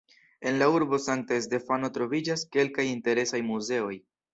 En la urbo Sankta Stefano troviĝas kelkaj interesaj muzeoj.